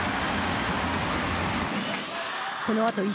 このあと１